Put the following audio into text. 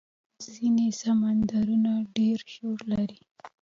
ځینې سمندرونه ډېر شور لري.